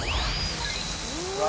うわ！